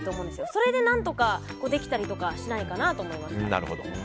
それで何とか、できたりとかしないかなと思いました。